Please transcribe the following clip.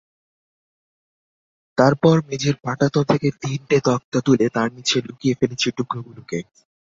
তারপর মেঝের পাটাতন থেকে তিনটে তক্তা তুলে তার নিচে লুকিয়ে ফেলেছি টুকরোগুলোকে।